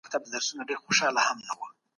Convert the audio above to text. که تولیدي عوامل سم وي تولید به ډیر سي.